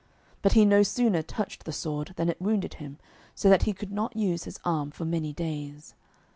But he no sooner touched the sword than it wounded him, so that he could not use his arm for many days.